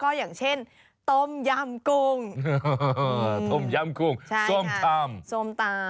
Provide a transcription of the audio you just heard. ก็อย่างเช่นต้มยำกุ้งต้มยำกุ้งส้มตำส้มตำ